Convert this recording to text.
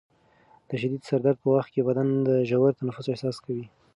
د شدید سر درد په وخت کې بدن د ژور تنفس احساس کوي.